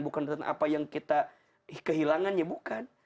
bukan tentang apa yang kita dapatkan bukan tentang apa yang kita kehilangannya bukan